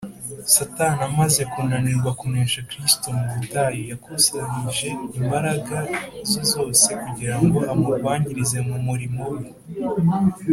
. Satani amaze kunanirwa kunesha Kristo mu butayu, yakusanyije hamwe imbaraga ze zose kugira ngo amurwanyirize mu murimo We